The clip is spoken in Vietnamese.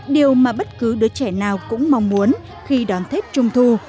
điều mà bất cứ đứa trẻ nào cũng mong muốn khi đón tết trung thu